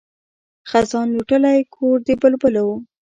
خزان لوټلی کور د بلبلو